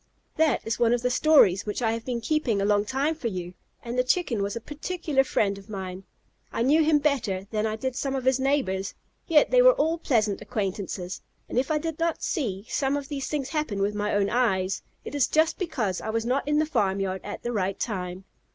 That is one of the stories which I have been keeping a long time for you, and the Chicken was a particular friend of mine. I knew him better than I did some of his neighbors; yet they were all pleasant acquaintances, and if I did not see some of these things happen with my own eyes, it is just because I was not in the farmyard at the right time.